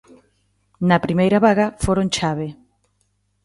Na primeira vaga foron chave.